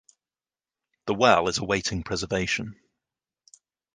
The well is awaiting preservation.